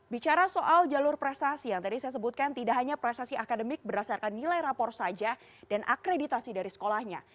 bicara soal jalur prestasi yang tadi saya sebutkan tidak hanya prestasi akademik berdasarkan nilai rapor saja dan akreditasi dari sekolahnya